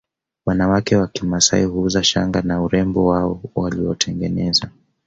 Wanawake wa kimasai huuza shanga na urembo wao waliotengeneza